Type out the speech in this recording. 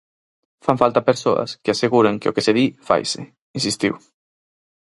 "Fan falta persoas que aseguren que o que se di, faise", insistiu.